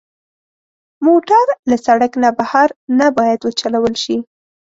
موټر له سړک نه بهر نه باید وچلول شي.